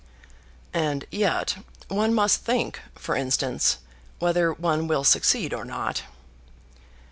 "And yet one must think; for instance, whether one will succeed or not."